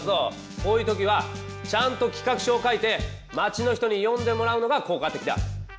こういう時はちゃんと「企画書」を書いて町の人に読んでもらうのが効果的だ！